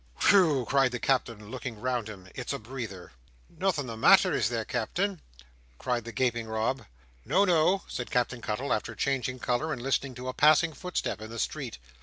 "Whew!" cried the Captain, looking round him. "It's a breather!" "Nothing the matter, is there, Captain?" cried the gaping Rob. "No, no!" said Captain Cuttle, after changing colour, and listening to a passing footstep in the street.